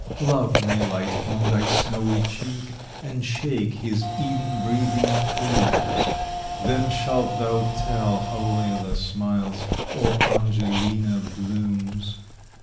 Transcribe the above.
Love may light on thy snowy cheek, And shake his Eden breathing plumes; Then shalt thou tell how Lelia smiles, Or Angelina blooms.